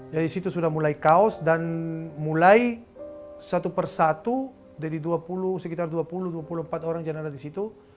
jadi di situ sudah mulai kaos dan mulai satu persatu dari sekitar dua puluh dua puluh empat orang yang ada di situ